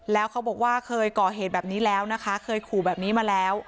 แล้วเขาบอกว่าเคยก่อเหตุแบบนี้แล้วนะคะเคยขู่แบบนี้มาแล้ว